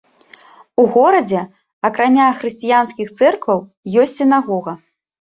У горадзе, акрамя хрысціянскіх цэркваў, ёсць сінагога.